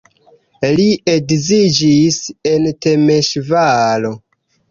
Li edziĝis en Temeŝvaro.